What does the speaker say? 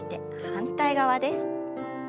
反対側です。